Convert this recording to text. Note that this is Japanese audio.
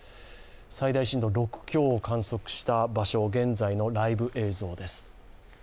最大震度６強を観測した場所、現在のライブ映像です。